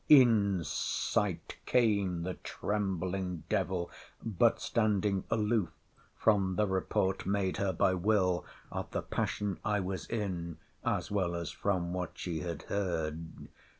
In sight came the trembling devil—but standing aloof, from the report made her by Will. of the passion I was in, as well as from what she had heard.